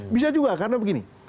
bisa juga karena begini